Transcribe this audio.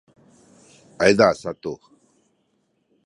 ayza satu